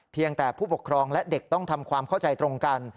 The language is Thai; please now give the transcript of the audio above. เพียงแต่ผู้ปกครองและเด็กต้องทำความเข้าใจตรงกัน